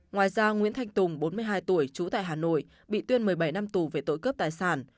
ngoài ra nguyễn thanh tùng bốn mươi hai tuổi trú tại hà nội bị tuyên một mươi bảy năm tù về tội cướp tài sản